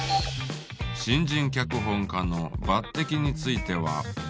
新人脚本家の抜てきについては。